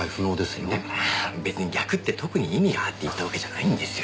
だから別に「逆」って特に意味があって言ったわけじゃないんですよ。